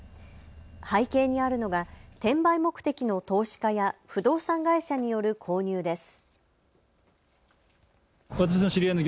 背景にあるのが転売目的の投資家や不動産会社による購入です。